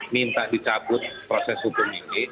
minta dicabut proses hukum